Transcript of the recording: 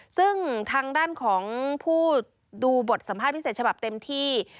ซึ่งทางด้านของผู้ดูบทสัมภาษณ์พิเศษฉบับเต็มที่